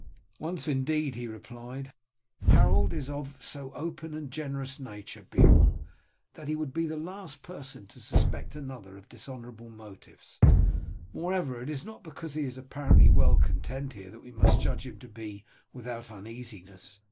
Once indeed he replied, "Harold is of so open and generous nature, Beorn, that he would be the last person to suspect another of dishonourable motives. Moreover, it is not because he is apparently well content here that we must judge him to be without uneasiness.